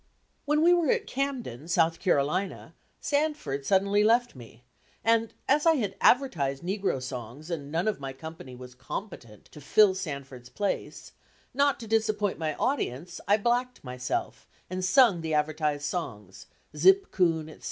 When we were at Camden, South Carolina, Sanford suddenly left me, and as I had advertised negro songs and none of my company was competent to fill Sanford's place, not to disappoint my audience, I blacked myself and sung the advertised songs, "Zip Coon," etc.